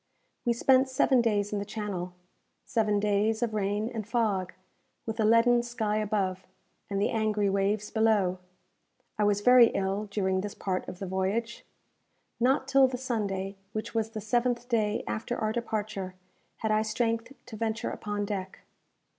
We spent seven days in the Channel seven days of rain and fog, with a leaden sky above, and the angry waves below. I was very ill during this part of the voyage. Not till the Sunday, which was the seventh day after our departure, had I strength to venture upon deck.